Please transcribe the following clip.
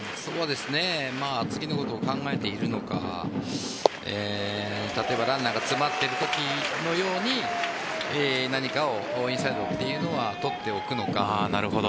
次のことを考えているのか例えばランナーが詰まっているときのように何かをインサイドというのは取っておくのか。